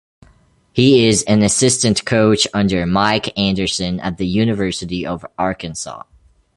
He is an assistant coach under Mike Anderson at the University of Arkansas.